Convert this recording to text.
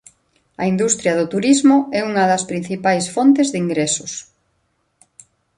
A industria do turismo é unha das principais fontes de ingresos.